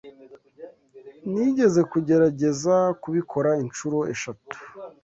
Nigeze kugerageza kubikora inshuro eshatu.